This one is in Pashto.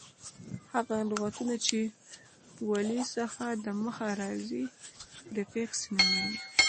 هغه لغتونه، چي د ولي څخه دمخه راځي پریفکس نومیږي.